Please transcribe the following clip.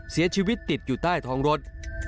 เสียชีวิตติดอยู่ใต้ท้องรถ